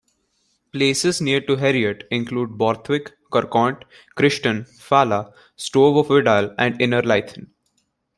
Places near to Heriot include Borthwick, Carcant, Crichton, Fala, Stow of Wedale and Innerleithen.